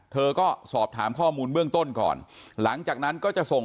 เธอก็สอบถามข้อมูลเบื้องต้นก่อนหลังจากนั้นก็จะส่ง